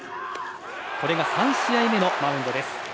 これが３試合目のマウンドです。